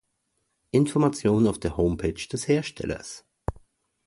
Informationen auf der Homepage des Herstellers